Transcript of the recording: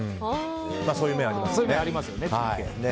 そういう面、ありますよね。